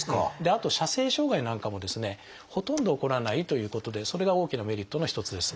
あと射精障害なんかもですねほとんど起こらないということでそれが大きなメリットの一つです。